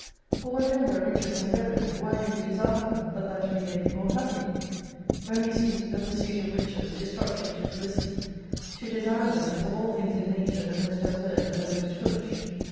For what end are riches endeavoured, why do we desire them, but that we may be more happy ? "When we see the pursuit of riches destruc tive to Felicity, to desire them is of all things in nature the most absurd and the most foolish.